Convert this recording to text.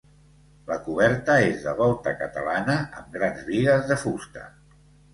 La coberta és de volta catalana amb grans bigues de fusta.